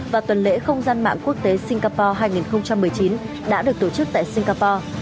và tuần lễ không gian mạng quốc tế singapore hai nghìn một mươi chín đã được tổ chức tại singapore